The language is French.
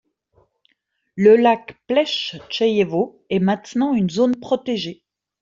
Le lac Plechtcheïevo est maintenant une zone protégée.